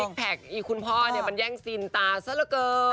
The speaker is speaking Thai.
พี่แจ๊กคุณพ่อเนี่ยมันแย่งสินตาซะละเกิน